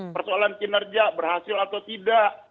persoalan kinerja berhasil atau tidak